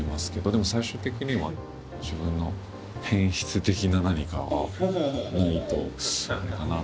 でも最終的には自分の偏執的な何かはないとあれかなと。